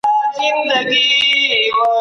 تاسي تل په پوهه خبري کوئ.